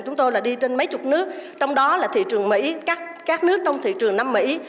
chúng tôi là đi trên mấy chục nước trong đó là thị trường mỹ các nước trong thị trường nam mỹ